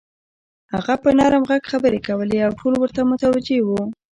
هغه په نرم غږ خبرې کولې او ټول ورته متوجه وو.